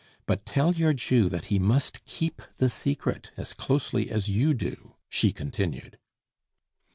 But tell your Jew that he must keep the secret as closely as you do," she continued.